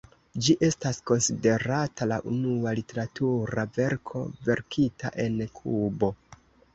Ĝi estas konsiderata la unua literatura verko verkita en Kubo.